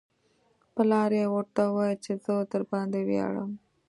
پلار یې ورته وویل چې زه درباندې ویاړم